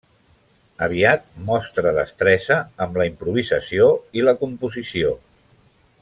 Aviat mostra destresa amb la improvisació i la composició.